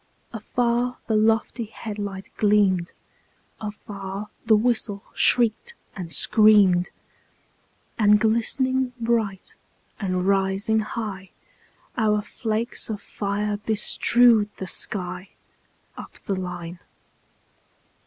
Afar the lofty head light gleamed; Afar the whistle shrieked and screamed; And glistening bright, and rising high, Our flakes of fire bestrewed the sky, Up the line.